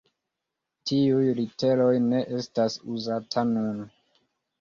Tiuj literoj ne estas uzata nun.